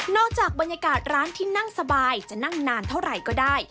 จากบรรยากาศร้านที่นั่งสบายจะนั่งนานเท่าไหร่ก็ได้